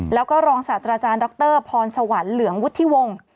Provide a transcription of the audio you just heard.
แล้วก็รองศาสตราจารย์ดรพรสวรรค์เหลืองวุฒิวงศ์